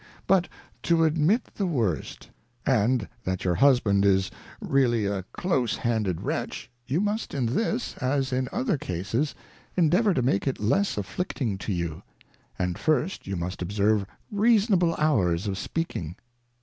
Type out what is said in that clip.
But to admit the worst, and that your Husband is really a Close 1 6 Advice to a Daughter. Close h anded Wretch, you must in this^ as in other Cases, en deavour to make it less afflicting to you ; and first you must observe seasonable hours of speaking.